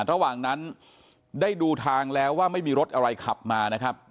ระหว่างนั้นได้ดูทางแล้วว่าไม่มีรถอะไรขับมานะครับ